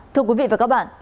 thưa quý vị và các bạn